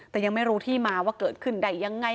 แต่ยังไม่รู้ที่มาว่าเกิดขึ้นได้ยังไง